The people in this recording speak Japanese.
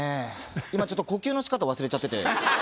今ちょっと呼吸のしかた忘れちゃってて。